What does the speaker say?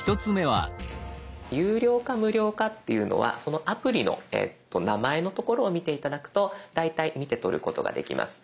有料か無料かっていうのはそのアプリの名前のところを見て頂くと大体見て取ることができます。